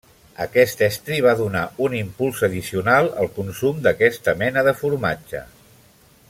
Aquest estri va donar un impuls addicional al consum d'aquesta mena de formatge.